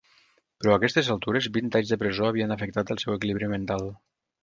Però a aquestes altures vint anys de presó havien afectat el seu equilibri mental.